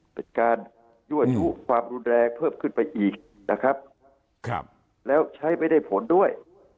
เป็นการยั่วยุความรุนแรงเพิ่มขึ้นไปอีกนะครับแล้วใช้ไม่ได้ผลด้วย